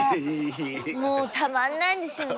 もうたまんないんですよね。